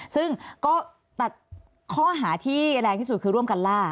ซึ่งก็ตัดข้อหาที่แรงที่สุดคือร่วมกันล่า